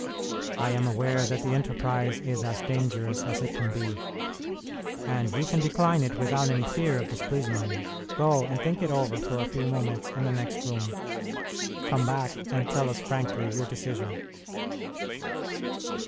I am aware that the enterprise is as dangerous as it can be, and you can decline it without any fear of displeasing me. Go, and think it over for a few moments in the next room; come back and tell us frankly your decision."